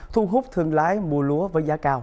thu hút thương lái mua lúa với giá cao